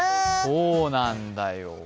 そうなんだよ。